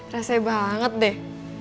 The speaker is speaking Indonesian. rasanya banget deh